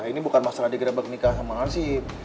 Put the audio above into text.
ini bukan masalah digerbek nikah sama hansip